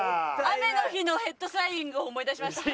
雨の日のヘッドスライディングを思い出しました。